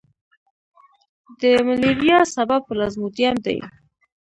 د ملیریا سبب پلازموډیم دی.